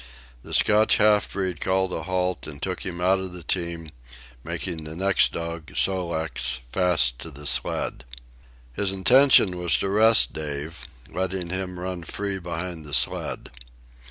The Scotch half breed called a halt and took him out of the team, making the next dog, Sol leks, fast to the sled. His intention was to rest Dave, letting him run free behind the sled.